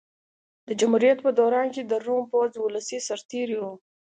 د جمهوریت په دوران کې د روم پوځ ولسي سرتېري وو